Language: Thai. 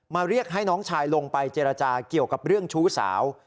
เรียกให้น้องชายลงไปเจรจาเกี่ยวกับเรื่องชู้สาว